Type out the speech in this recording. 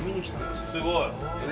すごい。